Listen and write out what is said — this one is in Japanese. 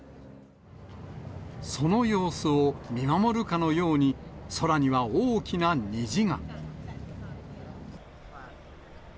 その様子を見守るかのように、空には大きな虹が。